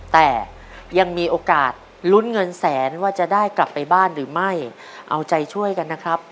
แต่ยังมีโอกาสลุ้นเงินแสนว่าจะได้กลับไปบ้านหรือไม่เอาใจช่วยกันนะครับ